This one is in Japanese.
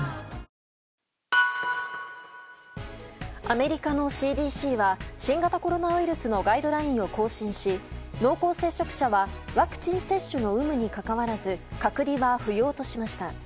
アメリカのＣＤＣは新型コロナウイルスのガイドラインを更新し濃厚接触者はワクチン接種の有無にかかわらず隔離は不要としました。